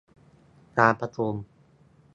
การประชุม